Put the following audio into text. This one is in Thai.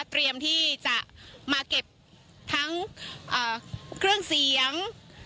เตรียมที่จะมาเก็บทั้งเครื่องเสียง